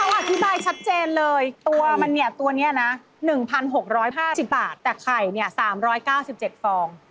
เขาอธิบายชัดเจนเลยตัวนี้๑๖๕๐บาทแต่ไข่๓๙๗ฟอง